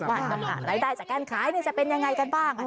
รายได้จากการขายจะเป็นยังไงกันบ้าง